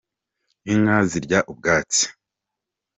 Inka zirya ubwatsi.